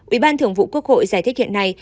ủy ban thường vụ quốc hội giải thích hiện nay